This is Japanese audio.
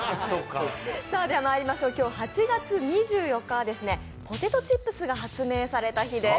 今日８月２４日は、ポテトチップスが発明された日です。